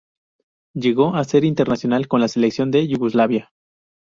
Llegó a ser internacional con la selección de Yugoslavia.